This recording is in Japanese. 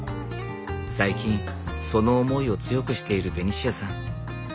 最近その思いを強くしているベニシアさん。